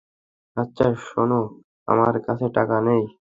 আচ্ছা শোন, আমার কাছে টাকা নেই।